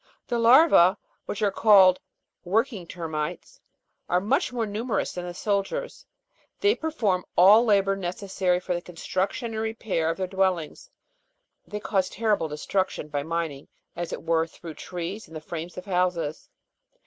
, The larva, which are called working termites, are much more numerous than the soldiers; they perform all the labour necessary for the construction and repair of their dwell ings ; they cause terrible destruction by mining, as it were, through trees and the frames of houses.